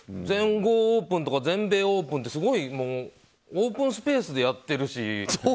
全豪オープンとか全米オープンってすごいオープンスペースでやってるし。